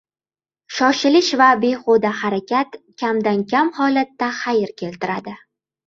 • Shoshilish va behuda harakat kamdan-kam holatda xayr keltiradi.